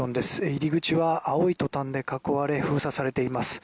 入り口は青いトタンで囲われ封鎖されています。